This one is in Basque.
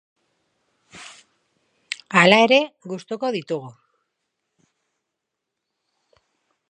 Hala ere, gustuko ditugu.